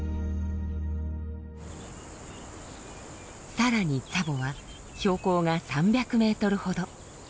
さらにツァボは標高が３００メートルほど。